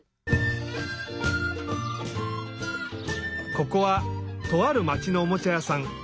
ここはとあるまちのおもちゃやさん。